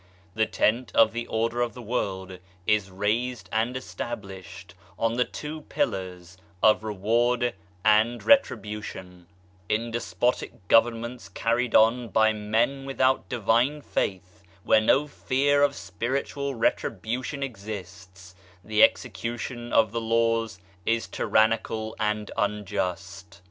The tent of the order of the world is raised and estab lished on the two pillars of " Reward and Retribution/' In despotic Governments carried on by men without Divine Faith, where no fear of Spiritual Retribution exists, the execution of the Laws is tyrannical and unjust.